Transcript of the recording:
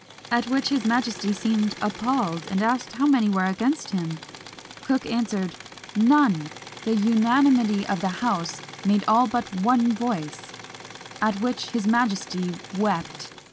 at which his majesty seemed appalled, and asked how many were against him? Cooke answered, "None! the unanimity of the House made all but one voice!" at which his majesty wept!